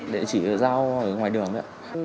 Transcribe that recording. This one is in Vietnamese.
để chỉ giao ở ngoài đường